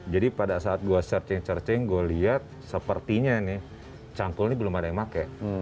jadi pada saat gue searching searching gue liat sepertinya nih cangkul ini belum ada yang pake